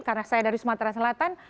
karena saya dari sumatera selatan